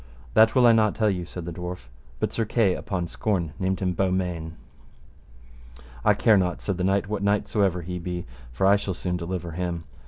That will I not tell you, said the dwarf, but Sir Kay upon scorn named him Beaumains. I care not, said the knight, what knight so ever he be, for I shall soon deliver him.